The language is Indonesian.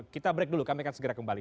kita break dulu kami akan segera kembali